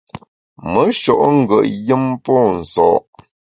Me sho’ ngùet yùm pô nso’.